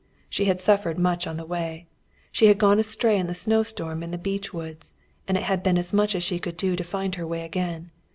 She had suffered much on the way. She had gone astray in the snowstorm in the beech woods, and it had been as much as she could do to find her way again.